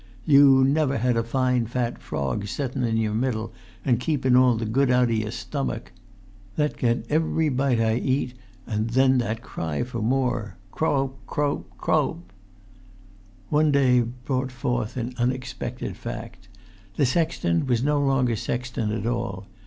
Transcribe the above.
You never had a fine fat frog settun in your middle an' keepun all the good out o' your stummick. That get every bite I eat, an' then that cry for more. Croap, croap, croap!" One day brought forth an unsuspected fact. The sexton was no longer sexton at all.